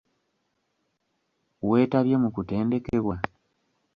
Weetabye mu kutendekebwa?